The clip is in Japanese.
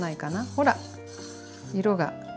ほら色が。